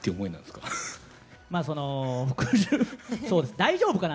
大丈夫かな？